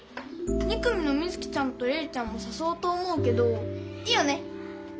２組の美月ちゃんと玲ちゃんもさそおうと思うけどいいよね？